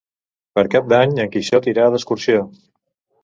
Per Cap d'Any en Quixot irà d'excursió.